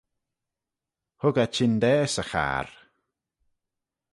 Hug eh chyndaa 'sy charr